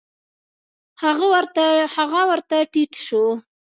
هغه ورته ټيټ سو.